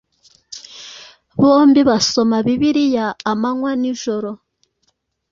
Bombi basoma Bibiliya amanywa n'ijoro,